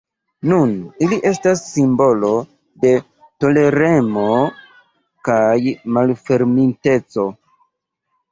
Nun ili estas simbolo de toleremo kaj malfermiteco.